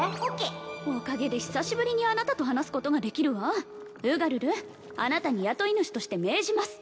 おかげで久しぶりにあなたと話すことができるわウガルルあなたに雇い主として命じます